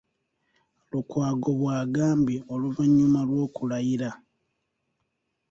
Lukwago bw’agambye oluvannyuma lw’okulayira.